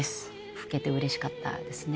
吹けてうれしかったですね。